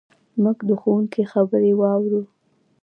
موږ د ښوونکي خبرې واورو.